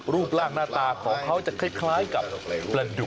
รูปร่างหน้าตาของเขาจะคล้ายกับประดุก